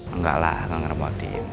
enggak lah gak ngerepotin